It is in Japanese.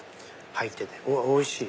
おいしい。